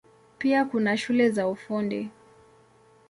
Pia kuna shule za Ufundi.